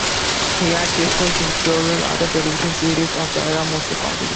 He had guest roles in several other television series of the era, mostly comedies.